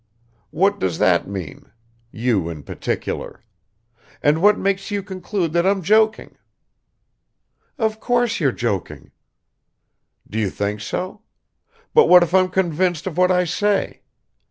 "What does that mean? 'You in particular.' And what makes you conclude that I'm joking?" "Of course you're joking." "Do you think so? But what if I'm convinced of what I say?